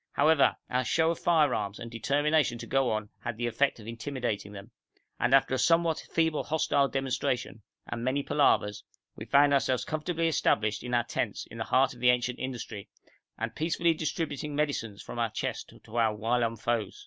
However, our show of firearms and determination to go on had the effect of intimidating them, and after a somewhat feeble hostile demonstration and many palavers, we found ourselves comfortably established in our tents in the heart of the ancient industry, and peacefully distributing medicines from our chest to our whilom foes.